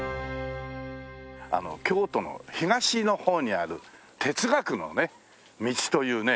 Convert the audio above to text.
京都の東の方にある哲学の道というね。